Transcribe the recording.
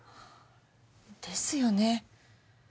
ですよね。